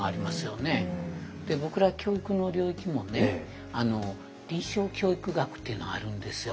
僕ら教育の領域もね臨床教育学っていうのあるんですよ。